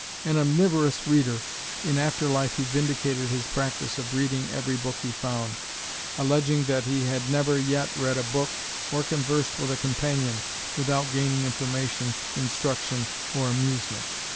An omniverous reader, in after life he vindicated his practice of reading every book he found, alleging that he had "never yet read a book or conversed with a companion without gaining information, instruction or amusement."